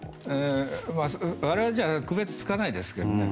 我々じゃ区別つかないですけど。